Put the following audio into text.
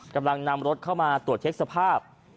กำลังนำรถเข้ามาตรวจเช็คสภาพ